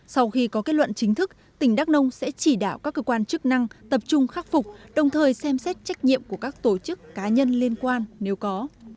sau khi có kết luận chính thức tỉnh đắk nông sẽ chỉ đạo các cơ quan chức năng tập trung khắc phục đồng thời xem xét trách nhiệm của các tổ chức cá nhân liên quan nếu có